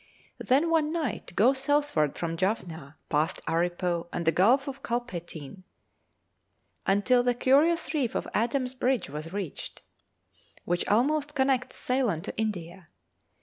Then one might go southward from Jaffna, past Aripo, and the Gulf of Calpentyn, until the curious reef of Adam's Bridge was reached, which almost connects Ceylon with India.